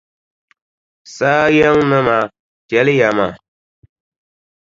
Saa yiŋnima chɛliya ma.